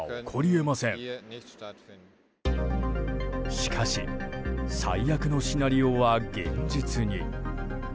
しかし最悪のシナリオは、現実に。